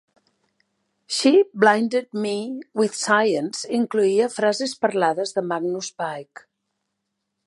"She Blinded Me with Science" incloïa frases parlades de Magnus Pyke.